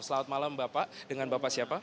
selamat malam bapak dengan bapak siapa